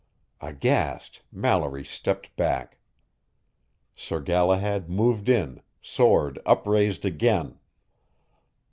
Aghast, Mallory stepped back. Sir Galahad moved in, sword upraised again.